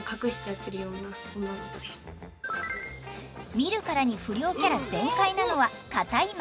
見るからに不良キャラ全開なのは片居誠。